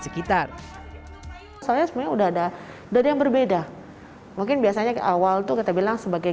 sekitar soalnya sebenarnya udah ada dari yang berbeda mungkin biasanya awal tuh kita bilang sebagai